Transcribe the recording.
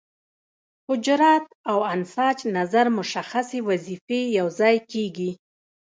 حجرات او انساج نظر مشخصې وظیفې یوځای کیږي.